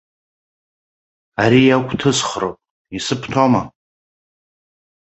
Ари иақәҭысхроуп, исыбҭома?